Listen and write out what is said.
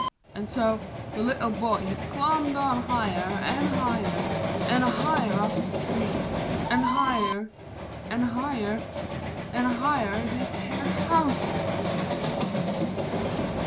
An' so The Little Boy he clumbed on higher, an' higher, An' higher up the tree an' higher an' higher An' higher'n iss here house is!